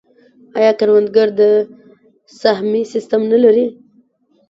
آیا کروندګر د سهمیې سیستم نلري؟